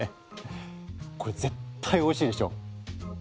これ絶対おいしいでしょ！